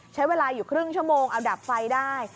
ใช้เวลาอยู่ครึ่งชั่วโมงเอาดับไฟได้